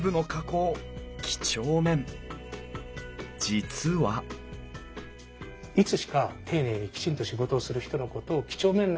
実はいつしか丁寧にきちんと仕事をする人のことを几帳面な人と。